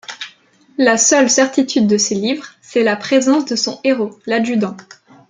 La seule certitude de ses livres, c'est la présence de son héros, l'adjudant.